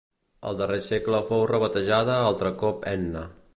Al darrer segle fou rebatejada altre cop Enna.